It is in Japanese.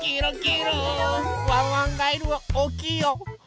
ワンワンガエルはおおきいよ！